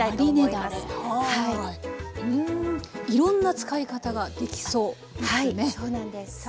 いろんな使い方ができそうですね。